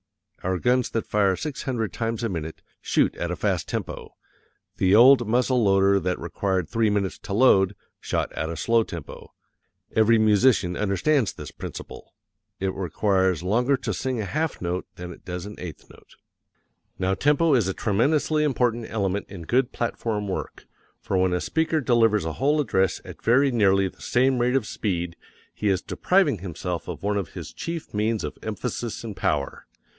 Our guns that fire six hundred times a minute, shoot at a fast tempo; the old muzzle loader that required three minutes to load, shot at a slow tempo. Every musician understands this principle: it requires longer to sing a half note than it does an eighth note. Now tempo is a tremendously important element in good platform work, for when a speaker delivers a whole address at very nearly the same rate of speed he is depriving himself of one of his chief means of emphasis and power.